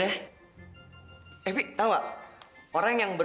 eh pi tau gak